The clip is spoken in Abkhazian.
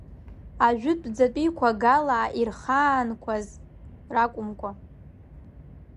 Ажәытәӡатәиқәа, галлаа ирхаанқәаз ракәымкәа…